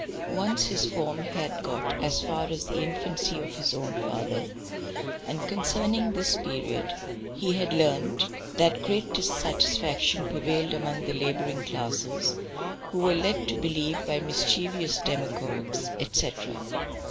Once his form had "got" as far as the infancy of his own father, and concerning this period he had learnt that "great dissatisfaction prevailed among the labouring classes, who were led to believe by mischievous demagogues," etcetera.